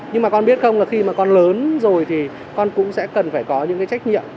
nhưng mà con biết không là khi mà con lớn rồi thì con cũng sẽ cần phải có những cái trách nhiệm